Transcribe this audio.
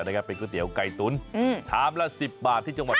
โรงคิดเขาหน่อย